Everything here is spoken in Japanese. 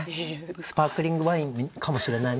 スパークリングワインかもしれないなとか。